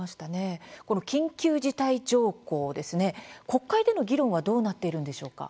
この緊急事態条項ですね国会での議論はどうなっているのでしょうか。